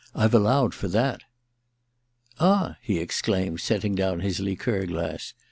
I've allowed for that.' * Ah,' he exclaimed, setting down his liqueur glass.